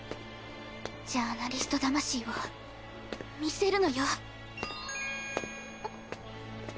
ジャーナリスト魂を見せるのよ！